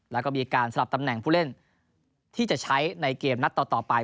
แล้วก็มีการสลับตำแหน่งผู้เล่นที่จะใช้ในเกมนัดต่อไป